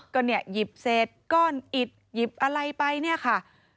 ก็เนี่ยหยิบเศษก้อนอิดหยิบอะไรไปเนี่ยค่ะ